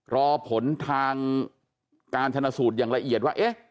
รอผลทางการชนสูตรอย่างละเอียดว่า